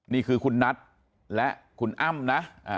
นี่คือคุณนัทและคุณอ้ำนะ